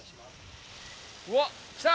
うわっ、きた。